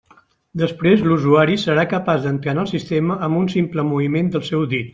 Després, l'usuari serà capaç d'entrar en el sistema amb un simple moviment del seu dit.